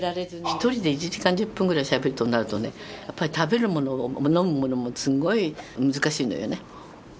一人で１時間１０分ぐらいしゃべるとなるとねやっぱり食べるものも飲むものもすごい難しいのよね。